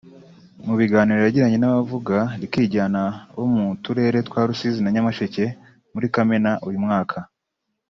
Mu biganiro yagiranye n’abavuga rikijyana bo mu turere twa Rusizi na Nyamasheke muri Kamena uyu mwaka